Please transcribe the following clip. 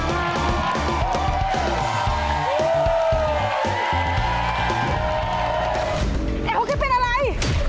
แอ้พ่อแกเป็นอะไร